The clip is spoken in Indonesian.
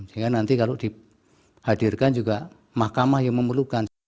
sehingga nanti kalau dihadirkan juga mahkamah yang memerlukan